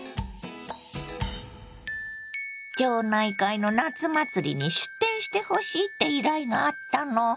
町内会の夏祭りに出店してほしいって依頼があったの。